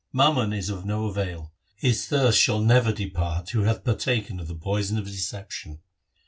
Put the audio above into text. Mammon is of no avail — His thirst shall never depart Who hath partaken of the poison of deception.